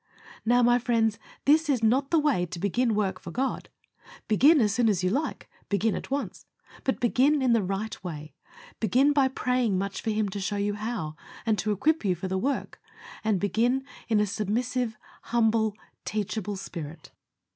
Now, my friends, this is not the way to begin work for God. Begin as soon as you like begin at once but begin in the right way. Begin by praying much for Him to show you how, and to equip you for the work, and begin in a humble, submissive, teachable spirit.